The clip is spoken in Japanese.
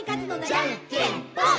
「じゃんけんぽん！！」